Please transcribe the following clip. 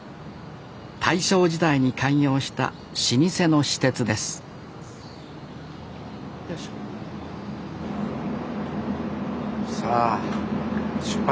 大正時代に開業した老舗の私鉄ですさあ出発。